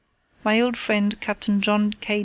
My old friend Captain John K.